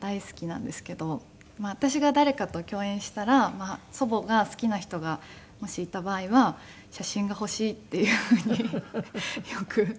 私が誰かと共演したら祖母が好きな人がもしいた場合は写真が欲しいっていうふうによく言われるんですけど。